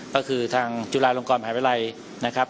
ก็คือทางจุฬาลงกรมหาวิทยาลัย